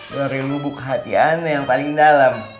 dari lubuk hati anu yang paling dalam